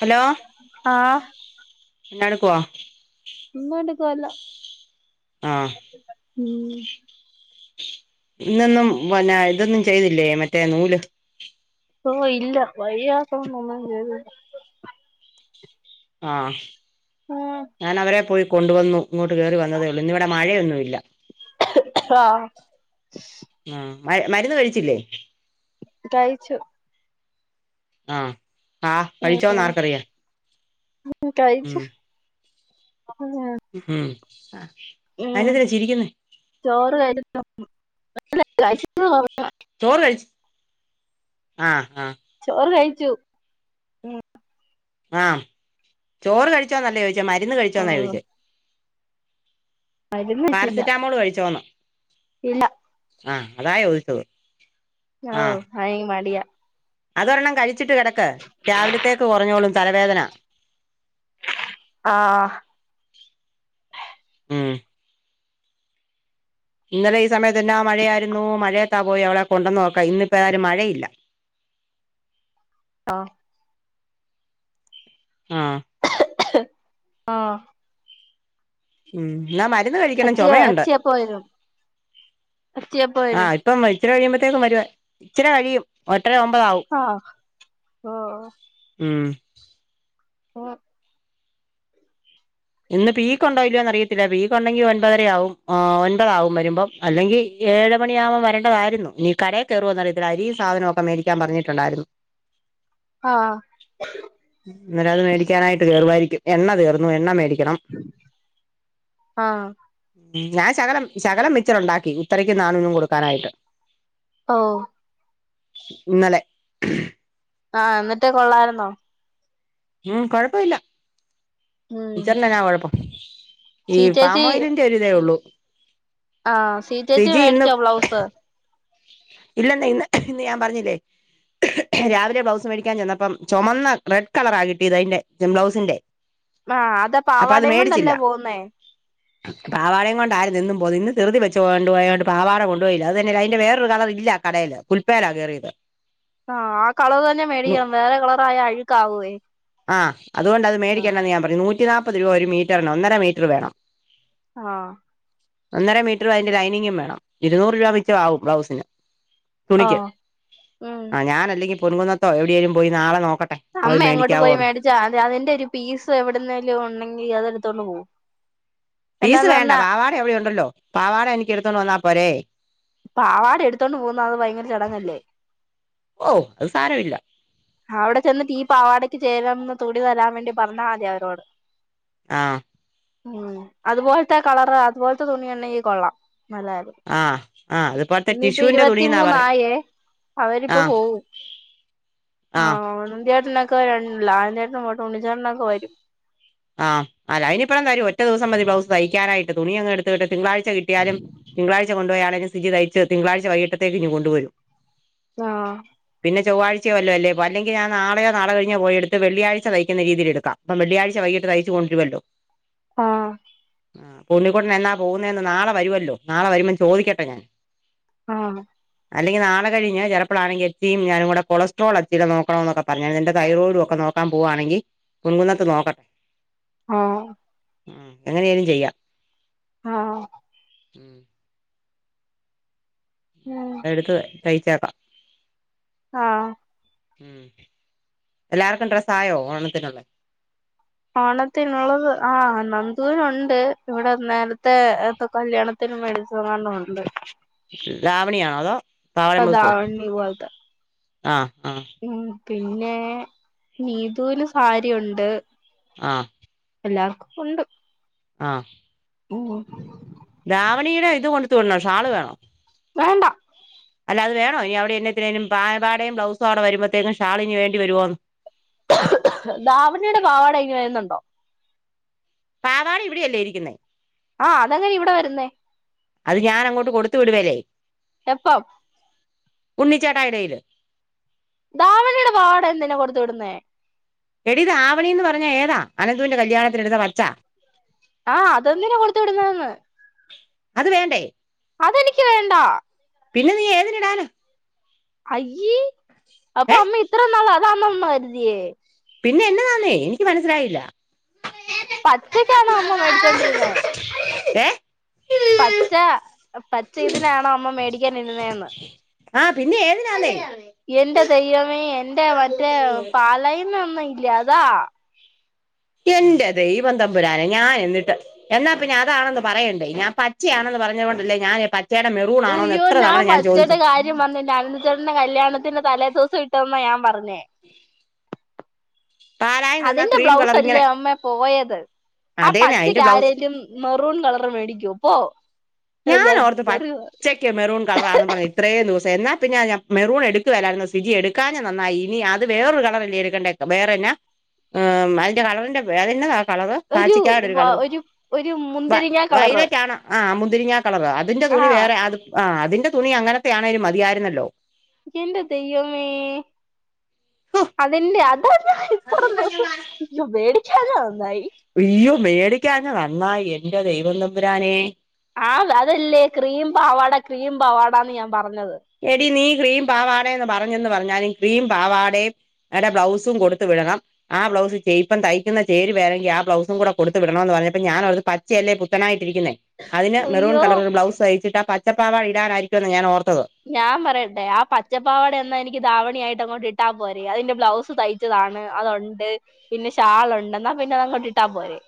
Hello ആ എന്നാടുക്കുവാ? [unintelligible] ല്ല ആഹ് ഉം ഇന്നൊന്നും പിന്ന ഇതൊന്നും ചെയ്തില്ലേ മറ്റേ നൂല് ഓഹ് ഇല്ല വയ്യാത്തകൊണ്ട് ഒന്നും ചെയ്തില്ല ആഹ് ഉം ഞാൻ അവരെ പോയി കൊണ്ടുവന്നു ഇങ്ങോട്ട് കേറിവന് ന്നതേഉള്ളു ഇന്നിവിടെ മഴയൊന്നും ഇല്ല ആഹ് ആഹ് മര് മരുന്ന് കഴിച്ചില്ലേ കഴിച്ചു ആഹ് ആഹ് ഉം കഴിച്ചോന്ന് ആർക്കറിയാം കഴിച്ചു ഉം ഉം ആഹ് ഉം ചോറ് കയ്യില് [unintelligible] [unintelligible] ചോറ് കഴിച്ച് ആഹ് ആഹ് ചോറ് കഴി ച്ചു ഉം ആഹ് ചോറ് കഴിച്ചോനല്ലേ ചോയ്ച് മരുന്ന് ഓ കഴിച്ചോന്നാ ചോയ്ച്ചേ മരുന്ന് വെച്ചില്ല പാരസെറ്റാമോള് കഴിച്ചോന്ന് ഇല്ല ആഹ് അതാ ചോയിച്ചത് ഓഹ് അയെനിക്ക് മടിയാ അതൊരെണ്ണം കഴി ച്ചിട്ട് കിടക്ക് രാവിലത്തേക്ക് കുറഞ്ഞോളും തലവേദന ആഹ് ആഏ ഇന്നലെ ഈ സമയത്ത്ന്നെ മഴയായിരുന്നു മഴയത്താ പോയി അവവിടെ കൊണ്ടന്ന് നോക്കാം ഇന്നിപ്പോ ആാലും മഴയില്ല ആഹ് ആഹ ആഹ ഉം എന്നാ മരുന്ന് കഴിക്കണം അച്ചി ചുമയുണ്ട് അച്ചി എപ്പോ വരും അച്ചി എപ്പോ ആ വരും ഇപ്പം ഇച്ചിരി കഴിയുമ്പോത്തേക്കും വരുവാ ഇച്ചി വഴിയും ഒ ആഹ ഓ മഏ [unintelligible] ഇന്ന് പീക്ക് ഉണ്ടോല്ലോന്ന് അറിയത്തില്ല പീക്ക് ഉണ്ടെങ്കിൽ ഒൻപതര ആവുംും ഒൻപതാാവും വരുമ്പം അല്ലെങ്കിൽ ഏഴ് മണിയ ആുമ്പോ വേണ്ടതായിരുന്നു നീ കരയ കയറുവന്ന് അറിയത്തില്ല അരി സാധനമൊക്കെ മേരിക്കാൻ പറഞ്ഞിട്ടുണ്ടായിരുന്നു ആഹ് ന്നേരത് മേടിക്കാനായ്ട്ട് കേറുവായിരിക്കും എണ്ണ തീർന്നു എണ്ണ മേടി ആഹ് ഉം ഞാൻ ശകലം ശകലം മിച്ചറ് ഉണ്ടാക്കി ഉത്തരക്ക് നാണൂനും കൊടുക്കാനായിട്ട് ഓഹ് ഇന്നലെ ആഹ് എന്നിട്ട് കൊള്ളായ്ര്ന്നോ? ഉം കൊഴപ്പാെ ഇല്ല ഉം മിച്ചറിനെന്നാ കൊഴപ്പം ഈ സീ ചേച്ചി പാമോയിലിന്റെ ഒരിതേ ഒള്ളൂ ആഹ് സീചേച്ചി മേടിച്ചോ ബ്ലൗസ് ഇല്ലന്നെ ഇന്ന് ഇന്ന് ഞാൻ പർഞ്ഞില്ലെ രാവിലെ ബ്ലൗസ് മേടിക്കാൻ ചെന്നപ്പം ചാെമന്ന റെഡ് കളറാ കിട്ടിയത് അയ്ന്റെ ജെം ബ്ലൗസ്ന്റെ ആ അതാ പാവാടയും കൊണ്ടല്ലേ പോവുന്നേ പാവാടേകൊണ്ടായിര്ന്നെന്നും പോയി ഇന്ന് തിറുതി വെച്ച് കൊണ്ട് പോയോണ്ട് പാവാട കൊണ്ട്പോയില്ല അതന്നെ അയിന്റെറെ വേറൊരു കവറ് ഇല്ലാ കടേയില് കുൽപ്പേലാ കേറിയത് ആഹ് ആ കളർ തന്നെ മേടിക്കണം വേറെ കളറ് ആയാ അഴുക്ക് ആവുവേ ആഹ് ആ പ്പത് രൂപ ഒരു മീറ്ററിന് ഒന്നര മീറ്റർ വേണം ആഹ് ഒന്നര മീറ്ററും അയിന്റെ ലൈനിങ്ങും വേണം ഇരുന്നൂറ് രൂപ മിച്ചമാവും ബ്ലൗസിന് തുണിക്ക് ആഹ് ഉം ആ ഞാനല്ലങ്കി പൊൻകുന്നത്തോ എവിടേലും പോയി നാളെ നോ അമ്മ എങ്ങോട്ട് പോയി മേടിച്ച അത് അതിന്റെ ഒരു പീസ് എവിടുന്നേലും ഉണ്ടെങ്കി അതെടു തോണ്ട് പോവും പീസ് എന്നാന്ന് വേണ്ട പറഞ്ഞാ പാവാട എവിടെയൊ ഉണ്ടല്ലോ പാവാട എനിക്ക് എടുത്തോണ്ട് വന്നാ അപ്പ പരേയ് പാവാടെ എടുത്തോണ്ട് പോവുന്ന അത് ഭയങ്കര ചടങ്ങല്ലേ ഓ അത് സാരമില്ല അവിടെ ചെന്നിട്ട് ഈ പാവാടയ്ക്ക് ചേരുന്നതുണി തരാൻ വേണ്ടി പറഞ്ഞാതി അവരോട് ആഹ് ഉം അതുപോൽത്തെ ആ കളററോ അതുപോൽത്തെ തുണിയൊ ഉണ്ടെങ്കി കൊള്ളാം. നല്ലകാര്യം ആ ആ അതിപ്പോഴത്തെ ഇന്നിപ്പോ ടിഷ്യുവിന്റെ ഇരുപത്തി തുണിന്നാ പറയുന്നെ മൂന്നായേ ആ അവരിപ്പോ പോവും ആ ആഹ് [unintelligible] ഇക്കയുണ്ടാലോ ലാലൻ ചേട്ടനും ഇങ്ങോട്ട് ഉണ്ണി ചേട്ടൻ ഒക്കെ വരും. ആഹ് അയിനിപ്പുറം തരും ഒറ്റദിവസം മതി ബ്ലൗസ് തയ്ക്കാനായിട്ട്. തുണി അങ്ങ് എടുത്തിട്ട്. തിങ്കളാഴ്ച കിട്ടിയാലും തിങ്കളാഴ്ച കൊണ്ടു പോയാണേലും. വൃത്തിക്ക് തയ്ച്ച് തിങ്കളാഴ്ച വൈകിട്ടത്തേക്ക് ഇങ്ങ് കൊണ്ടുവരും. ആഹ് പിന്നെ ചൊവ്വാഴ്ചയോ വെല്ല്യ അല്ലല്ലേ അല്ലെങ്കിൽ ഞാൻ നാളെയോ നാളെ കഴിഞ്ഞോ പോയെടുത്തു വെള്ളിയാഴ്ച തയ്ക്കുന്ന രീതിയിലെടുക്കാം, അപ്പം വെള്ളിയാഴ്ച വൈകിട്ട്. തയ്ച്ച് കൊണ്ടരുവല്ലോ. ആ ഉണ്ണിക്കുട്ടൻ എന്നാ പോകുന്നേന്ന് നാളെ വരുമല്ലോ. നാളെ വരുമ്പം ചോദിക്കട്ടെ ഞാൻ. ആ അല്ലെങ്കി നാളെ കഴിഞ്ഞു ചെലപ്പളാണെങ്കിൽ [unintelligible] ഞാനും കൂടെ കൊളസ്ട്രോള് [unintelligible] നോക്കണോന്നൊക്കെ പറഞ്ഞാരുന്നു. എന്റെ തൈറോയിഡും ഒക്കെ നോക്കാൻ പോവുവാണെങ്കി പൊൻകുന്നത്ത് നോക്കട്ടെ. ആ മ് എങ്ങനെലും ചെയ്യാം ആ മ് ഉം [unintelligible] തയ്ച്ചേക്കാം. ആ ഉം, എല്ലാർക്കും ഡ്രസായോ? ഓണത്തിനുള്ളത്. ഓണത്തിനുള്ളത്, ആ നന്ദൂന് ഉണ്ട്. ഇവിടെ നേരത്തെ ഒക്കെ കല്യാണത്തിന് മേടിച്ചത് എങ്ങാണ്ടൊണ്ട്. ദാവണി ആണോ? അതോ? ദാവണി പോലത്തെ. ആ മ് പിന്നെ, നീതൂന് സാരിയൊണ്ട്. ആ എല്ലാവർക്കും ഉണ്ട്. ആ [unintelligible] ദാവണിയുടെ ഇത് കൊടുത്തു വിടണോ? ഷാള് വേണോ? വേണ്ട അല്ല അത് വേണോ? ഇനി അവിടെ എന്നത്തിനേലും പാവാടയും ബ്ലൗസും അവ്ടെ വരുമ്പഴ്ത്തേനും ഷാളിനി വേണ്ടിവരുമോന്ന് ദാവണിയുടെ പാവാട ഇനി വരുന്നുണ്ടോ? പാവാട ഇവിടെയല്ലേ ഇരിക്കുന്നേ ആ അതെങ്ങനെ ഇവിടെ വരുന്നേ? അത് ഞാൻ [unintelligible] എപ്പം? ഉണ്ണിച്ചേട്ടായിടയില് ധാവണിയുടെ പാവാടഎന്തിനാ കൊടുത്ത് വിടുന്നേ എടീ ദാവണിന്ന് പറഞ്ഞ ഏതാ അനന്തുവിന്റെ കല്യാണത്തിന് എടുത്ത പച്ച ആഹ് അതെന്തിനാ കൊടുത്ത് വിടുന്നെന്നു അത് വേണ്ടേ അതെനിക്ക് വേണ്ട പിന്നെ നീ ഏതിന്ടാന അയ്യേ അപ്പൊ ഏ അമ്മ ഇത്ര നാൾ അത കരുതിയേ പിന്നെ എന്ന താന്നേ എനിക്ക് മനസ്സിലായില്ല പച്ചക്കാണോ അമ്മ മേടിച്ചോണ്ടിരുന്നേ ഏ പച്ച പച്ച ഇതിനാണോ അമ്മ മേടിക്കാനിരുനെന്ന് ആ പിന്നെ ഏതിനാന്നേ എന്റെ ദൈവമേ എന്റെ മറ്റേ പാലയിന്ന് യഥാ എന്റെ ദൈവംതംമ്പുരാനെ ഞാൻ എന്നിട്ട് എന്നാ പിന്നെ അതാണെന്ന് പറയണ്ടേ ഞാൻ പച്ചയാണെന്ന് പറഞ്ഞൊണ്ടല്ലേ ഞാന പച്ച അയ്യോ ഞാൻ പച്ചേയുടെ കാര്യം വന്ന അനന്തച്ചേട്ടന്റെ കല്യാണത്തിന്റെ തലേ ദിവസം ഇട്ടന്നാ ഞാൻ പറഞ്ഞേ പാലായി നിന്നാ അതിന്റെ ക്രീം കളർ ബ്ലൗസല്ലേ ഇങ്ങനെ അമ്മേ പോയത് ആ അതേന്നെ പച്ചക്ക് അതിന്റെ ബ്ലൗസ് കാരലും മെറൂൺ കളർ മേടിക്കൂമോ പോ ഞാൻ ഓർത്ത് പച്ചക്ക് മെറൂൺ കളറാന്ന് പറഞ്ഞത് ഇത്രേയും ദിവസം എന്നാ പിന്നെ മെറൂൺ എടുക്കുവല്ലായിരുന്നു സിജി എടുക്കാഞ്ഞ നന്നായി ഇനി അത് വേറൊരു കളറല്ലേ എടുക്കണ്ടേ വേറെന്ന അതിന്റെ കളറിന്റെ അതെന്നതാ കളറ് കാച്ചിക്കാട് ഒരു കളർ ഒരു മുന്തിരിങ്ങ കളറ് വയലറ്റ് ആന്ന മുന്തിരിങ്ങ കളറ അതിന്റെ തുണി ആഹ് വേറെ ആ അതിന്റെ തുണി അങ്ങനത്തെ ആണെലും മതിയായിരുന്നല്ലോ എന്റെ ദൈവമേ ഹോ അതിന്റെ അത ഇത്രയും ദിവസം മേടിക്കാഞ നന്നായി അയ്യോ മേടിക്കാഞ്ഞ നന്നായി എന്റെ ദൈവം തമ്പുരാനെ ആഹ് അതല്ലേ ക്രീം പാവാടാ ക്രീം പാവാടാന്ന് ഞാൻ പറ എടി നീ ക്രീം പാവാട എന്ന് പറഞ്ഞന്ന് പറഞ്ഞാലും ക്രീം പാവാടയുടെ ബ്ലൗസും കൊടുത്തു വിടണം ആ ബ്ലൗസ് തയ്ക്കുന്ന ചേരുവാണെങ്കിൽ ആ ബ്ലൗസും കൂടെ കൊടുത്ത വിടണന്ന് പറഞ്ഞപ്പ ഞാനോർത്തു പച്ചയല്ലേ പുത്തനായിട്ട് ഇരിക്കുന്നെ അതിന് മെറൂൺ അയ്യോ കളറ് ബ്ലൗസ് തയ്ച്ചിട്ട പച്ചപ്പാവാട ഇടാനായിരിക്കുംന്ന ഞാൻ ഓർത്തത് ഞാൻ പറയട്ടെ ആ പച്ചപ്പാവട എന്നാ എനിക്ക് ദാവണി ആയിട്ട് അങ്ങോട്ട് ഇട്ടാ പോരെ അതിന്റെ ബ്ലൗസ് തയ്ച്ചതാണ് അതൊണ്ട് പിന്നെ ഷാളുണ്ട്ണ്ടെന്നാ പിന്നെ അത്ങ്ങോട്ട് ഇട്ടാൽ പോരേ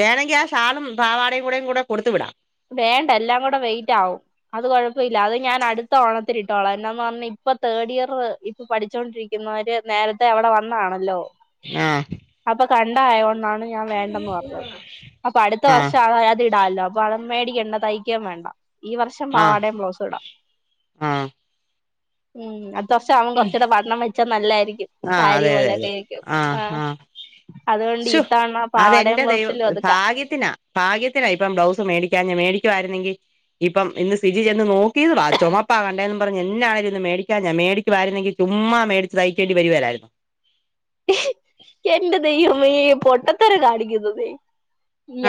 വേണമെങ്കിൽ ആ ഷാളും പാവാടയും കൂടെയും കൂടെ കൊടുത്തു വിടാം വേണ്ട എല്ലാം കൂടെ വെയിറ്റ് ആകും അത് കൊഴപ്പമില്ല അത് ഞാൻ അടുത്ത ഓണത്തിന് ഇട്ടോളാം എന്നന്താന്ന് പറഞ്ഞ ഇപ്പൊ തേർഡ് ഇയർ ഇപ്പ പഠിച്ചോണ്ടിരിക്കുന്നവര് നേരത്തെ അവിടെ വന്നാണല്ലോ ആഹ് അപ്പൊ കണ്ടായോണ്ടാണ് ഞാൻ വേണ്ടെന്ന് പറഞ്ഞത് അപ്പൊ അടുത്ത ആഹ് വർഷം അ അത്ടാല്ലോ അപ്പൊ മേടിക്കണ്ട തയ്ക്കാൻ വേണ്ട ഈ വർഷം ആഹ് പാവാടയും ബ്ലൗസ് ഇടാം ആഹ് ഉം അ ദശ ആവുമ കുച്ചൂടെ വണ്ണം വെച്ചാൽ നല്ലായിരിക്കും ആഹ സാരി അതെ അതെ പോലെയൊക്കെ അതെ ആയിരിക്കും ആഹ ആഹ് ആ അതുകൊണ്ട് ശു ഇത്തവണ പാവാടയും അതെന്റെ ദൈവ ബ്ലൗസിലും ഒതുക്കാം ഭാഗ്യത്തിനാ ഭാഗ്യത്തിനാ ഇപ്പം ബ്ലൗസ് മേടിക്ക മേടിക്കുമായിരുന്നങ്കിൽ ഇപ്പം ഇന്ന് സിജ ചെന്ന് നോ തീ വ ചുമപ്പ കണ്ടേന്ന് പറഞ്ഞു എന്നാെയാലും ഇന്ന് മേടിക്കാം ഞാ മേടിക്കുമായിരുന്നെിൽ ചുമ്മാ മേടിചായയി ചേണ്ടി വരിവലായിരുന്നു എന്റെ ദൈവമേ പോട്ട ഇത്ത കടിയ്ക്കുന്നുമ്മി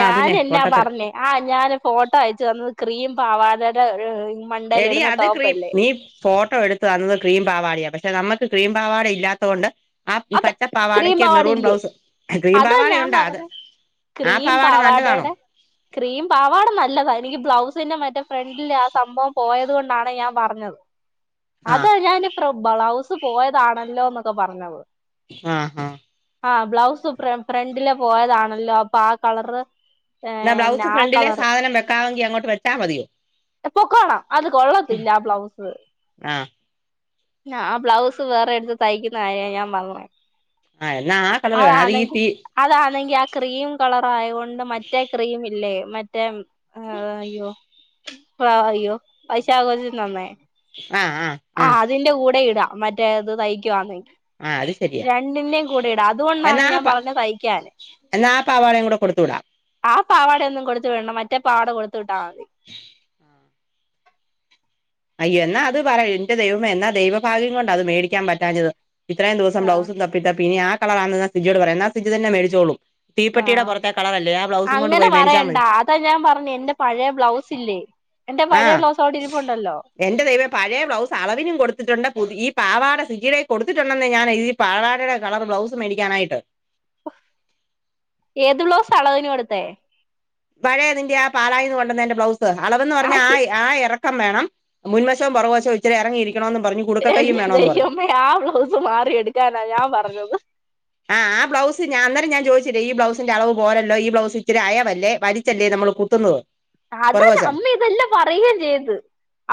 ആഹ് പിന്നെ പൊട്ടത്തരം പറഞ്ഞെ ആ ഞാന് ഫോട്ടോ അയച് [inaudible] ക്രീം പാവാടെടെ ഒരു എടീ അത് ക്രീം നീ ഫോട്ടോ എടുത്തു തന്നത് ക്രീം പാവാടയാ. പക്ഷെ നമ്മ ക്രീം പാവാട ഇല്ലാത്തോണ്ട് ആ പച്ച ക്രീം പാവാടയ്ക്ക് പാവാട മെറൂൺ ഇല്ലേ ബ്ലൗസ് ക്രീം അതാ ഞാൻ പാവാടയുണ്ടാ അത് പറഞ്ഞത് ആ ക്രീം പാവാട നല്ലതാണോ പാവാടെടെ ക്രീം പാവാട നല്ലതാ എനിക്ക് ബ്ലൗസ് പിന്നെ മറ്റെ ഫ്രണ്ടിലെ ആ സംഭവം പോയത് കൊണ്ടാണ് ഞാൻ പറഞ്ഞത് ആഹ് അതാ ഞാന് ബളവ്സ് പോയതാണല്ലോന്നൊക്കെ പറഞ്ഞത് ആ ആ ആ ബ്ലൗസ് ഫ്ര ഫ്രണ്ടിലെ പോയതാണല്ലോ അപ്പൊ ആ കളറ് എന്നാ ന്ന ബ്ലൗസ് ആ ഫ്രണ്ടിലെ കളർ സാധനം വെക്കാമെങ്കി അങ്ങോട്ട് വെച്ചാ മതിയോ പൊക്കോണം അത് കൊള്ളത്തില്ല ആ ബ്ലൗസ് ആഹ് അ അ ബ്ലൗസ് വേറെ എടുത്ത് തയ്ക്കുന്ന കാര്യവാ ഞാൻ പറഞ്ഞെ ആഹ് എന്നാ ആ കളർ വേണം അത് ഈ അതാനെങ്കി പി അതാനെങ്കി ആ ക്രീം കളറായോണ്ട് മറ്റേ ക്രീമില്ലേ [unintelligible] ഹാ അയ്യോ പാ അയ്യോ പൈസ ആകൊച്ചും തന്നെ ആഹ് ആഹ് ആ ആഹ് അതിന്റെ കൂടെ ല്ല മറ്റേത് തയ്ക്കുവാന്നെ ആ അത് ശരിയാ രണ്ടിന്റെയും കൂടെ ഇടാം അതുകൊണ്ടാണ് ഞാൻ എന്നാപ്പ പറഞ്ഞത് തയ്ക്കാന് എന്നാ ആ പാവാടയും കൂടെ കൊടുത്തു വിടാം പാവാടാ ഒന്നും കൊടുത്തു വിടണ്ട മറ്റേ പാവാടാ കൊടുത്തു വിട്ടാ ശ് അയ്യൊ എന്നാ അത് പറയ് എന്റെ ദൈവമേ എന്നാ ദൈവഭാഗ്യം കൊണ്ടാ അത് മേടിക്കാൻ പറ്റാഞ്ഞത് ഇത്രേം ദിവസം ബ്ലൗസും തപ്പി പിന്ന ആ കളർ ആണെന്ന് സിജിയോട് പറ എന്നാ സിജി തന്നെ മേടിച്ചോളും ആ തീപ്പെട്ടിയുടെ പുറത്തെ കളറല്ലേ ആ ബ്ലൗസും കൊണ്ട് അങ്ങനെ പോയി മേടിച്ചാൽ പറയണ്ട മതി അതാ ഞാൻ പറഞ്ഞെ എന്റെ പഴയ ബ്ലൗസ് ഇല്ലേ എന്റെ ആ പഴയ ബ്ലൗസ് അവിടെ ഇരിപ്പുണ്ടല്ലോ എന്റെ ദൈവേ പഴയ ബ്ലൗസ് അളവിനും കൊടുത്തിട്ടുണ്ട് പുതി ഈ പാവാട ഈയിടെ കൊടുത്തിട്ടുണ്ടെന്ന് ഞാന് ഈ പാവാടെടെ കളർ ബ്ലൗസ് മേടിക്കാനായിട്ട് ഏത് ബ്ലൗസാ അളവിന് കൊടുത്തേ പഴയതിന്റെ ആ പാലായിന്ന് കൊണ്ടന്ന എന്റെ ബ്ലൗ അളവന്ന് പറഞ്ഞാ ആ ആഹ് ആ എറക്കം വേണം മുൻ വഷോം പൊറവഷോം ഇച്ചരി ഇറങ്ങി എന്റെ ദൈവമേ ആ ബ്ലൗസ് മാറി എടുക്കാനാ ഞാൻ പറഞ്ഞത് ഞാ അന്നരം ഞാൻ ചോദിച്ചില്ലേ ഈ ബ്ലൗസ്സിന്റ അളവ് പോരല്ലോ ഈ ബ്ലൗസ് ഇത്തിരി അയവല്ലേ വലിച്ചല്ലേ നമ്മള് കുത്തുന്നത് അത പുറകുവശം അമ്മ ഇതെല്ലാം പറയുകയും ചെയ്ത്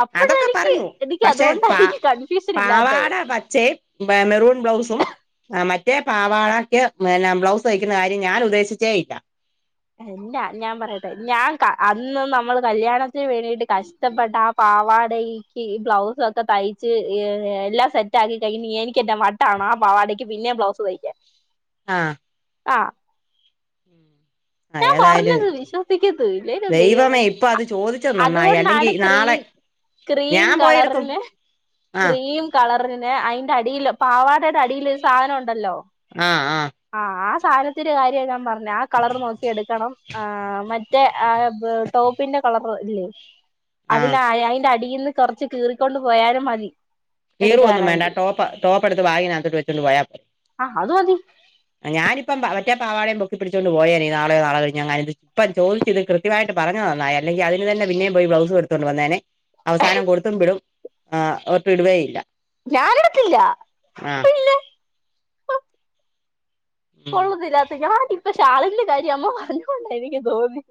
അപ്പഴ അതൊക്കെ എനിക്ക് പറഞ്ഞു എനിക്ക് പക്ഷെ അതുകൊണ്ടാണ് പാ എനിക്ക് കൺഫ്യൂഷൻ ഇല്ലാത്ത പാവാട പച്ചയും മെ- മെറൂൺ ബ്ലൗസും ആ, മറ്റേ പാവാളക്ക് പിന്ന ബ്ലൗസ് കയ്ക്കുന്ന കാര്യം ഞാൻ ഉദ്ദേശിച്ചേറ്റ എന്താ ഞാൻ പറയട്ടെ ഞാൻ അന്ന് നമ്മൾ കല്യാണത്തിന് വേണ്ടിട്ട് കഷ്ടപ്പെട്ട ആ പാവാടക്ക് ബ്ലൗസ ഒക്കെ തയ്ച്ച്ർ എല്ലാം സെറ്റ ആക്കി കഴിഞ്ഞഞ് എനക്ക് എ്റെ വട്ടാണോ ആ പാവാടക്ക് പിന്നെ ബ്ലൗസ് തയ്ക്കൻ ആഹ ആഹ ആ ഞാൻ ഏതായാലും പറഞ്ഞത് വിശ്വസിക്കത് ഇല്ല ചെയ്യവ ദൈവമേ ഇപ്പൊ അത് ചോദിച്ചത് നന്നായി അല്ലെങ്കി അതുകൊണ്ടാണ് നാളെ ക്രീം ക്രീം ഞാൻ പോയെടുക്കും കളറിന് ആ ക്രീം കളറിന് അതിന്റെ അടിൽ പാവാടയുടെ അടിൽരു സാധനം ഉണ്ടല്ലോ ആ സഥാനത്തിൊരു കാര്യ ഞൻ പറഞ്ഞു കളർ നോക്കി എടുക്കണം ആ മറ്റേ ആ ടോപ്പിന്റെ കളർ ഇല്ലേ ആ അതിന അയിന്റെ അടി ഇന്ന് കുറച്ച് കീറിക്കൊണ്ട് പോയാലും മതി കീറ ഒന്നും വേണ്ട എടുക്കാനാണെങ്കിൽ ടോപ്പ് ടോപ്പ് എടുത്ത് വാങ്ങിനകത്തട്ട് വെച്ചിണ്ട് പോയാ പോ ആ അത് മതി ഞാനിപ്പം മറ്റേപ്പാവാേയും ബുക്കി പിടിച്ചുക കൊണ്ട് പോയേ നാളെയ നാളെ ഞാന ഇത് ഇപ്പം ചോദിച്ചിത് കൃത്യമായിട്ട് പറഞ്ഞു തന്നായി അല്ലെങ്കി അതിന് തന്നെ പിന്നേും പോയി ബ്ലൗസ് എടുത്തൊണ്ട് വന്നേെ അവസം കൊടുും വിടും ഒട്ട ഇവയി [unintelligible] ഞൻ എടുത്തില്ലല്ല ഉം കൊള്ളദില്ല അത്ഞപ്പ ചാളന്റെ കാര്യ അമ്മ പറഞ്ഞോൊണ്ട എനിക്ക് തോന്നി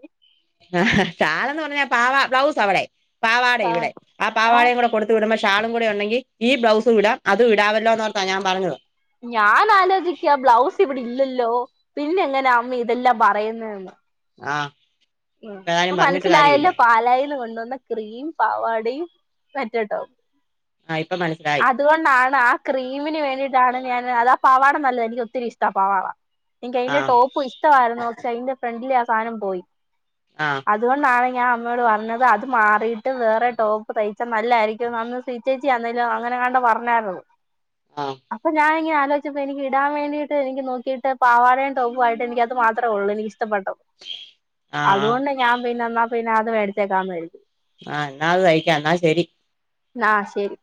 ആഹ ചാലന്ന് പറഞ്ഞ പാവ ബ്ലൗസ് അവിടെ പാവാടയും ആ ഇവിടെ ആ പാവാടയും കൂടെ കൊടുത്ത വിടുമ്പോേ ാളും കൂടി ഉണ്ടെങ്ക ഈ ബ്ലൗസ് വിടാം അത്ും വിടാവല്ലോന്ന്ോർത്താ ഞാൻ പറഞ്ഞത് ഞാൻ ആലോചിക്കുക ബ്ലൗസ് ഇവിടെ ഇല്ലല്ലോ പിന്നെ എങ്ങനെ അമ്മ ഇതെല്ലാം പറയുന്നതന്ന് ആഹ ഉ ഇപ്പൊ മനസ്സിലായല്ലോ പാലായിന്ന് കൊണ്ടുവ ക്രീം പാവാടയും പറ്റട്ടോ ആഹ് ഇപ്പൊ മനസ്സിലായി അതുകൊണ്ടാണ് ആ ക്രീമിന് വേണ്ടിയിട്ടാണ് ഞാൻ അത പാവാട നല്ലതാ എനിക്ക് ഒത്തിരിഷ്ടമാ പാവാട എനിക്ക്അയിന്റെ ആഹ് ടോപ്പും ഇഷ്ടമായിരുന്നു പക്ഷേ അയിന്റെ ഫ്രണ്ടില ആ സാധനം പോയി ആഹ് അത് വന്ന നളെ ഞാൻ അമ്മയോട് പറഞ്ഞത് അത് മാറിയിട്ട് വേറെ ടോപ്പ് തയ്ച്ചാ നല്ലായിരിക്കും അന്ന് സീചേച്ചി ആന്നലും അങ്ങനെയാണ്ട് പറഞ്ഞാരുന്നു ആഹ് അപ്പൊ ഞാൻ ഇങ്ങനെ [unintelligible] വെച്ചപ്പോ എനിക്ക് ഇടാൻ വേണ്ടീട്ട് എനിക്ക് നോക്കിയിട്ട് പാവാടയുംടോപ്പു ആയിട്ട് എനിക്കത് മാത്രേ ഒള്ളൂ എനി‌ക്കിഷ്ടപ്പെട്ടത് ആഹ് ആഹ് അതുകൊണ്ട് ഞാൻ പിന്നെന്ന പിന്നതു മേടിച്ചേക്കാന്ന് കരുതി ആഹ് ഇന്നാ അത് കയിക്കാം എന്നാ ശരി ന്നാ ശെരി